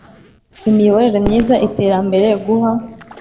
Imiyoborere myiza, iterambere, guha